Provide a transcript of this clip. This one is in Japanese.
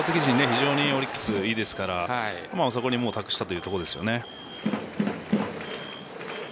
非常にオリックス、いいですからそこに託したというところですよね。